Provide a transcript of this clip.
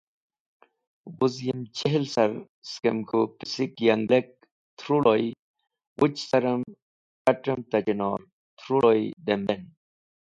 Wuz yem chihl sir askem k̃hũ pisek yanglek truloy wuch carem kat̃em ta chinor, truloy dem ben.